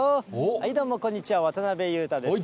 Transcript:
はい、どうも、こんにちは、渡辺裕太です。